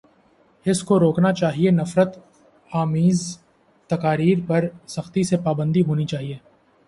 اس کو روکنا چاہیے، نفرت آمیز تقاریر پر سختی سے پابندی ہونی چاہیے۔